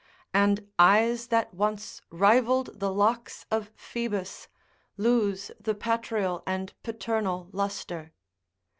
And eyes that once rivalled the locks of Phoebus, lose the patrial and paternal lustre.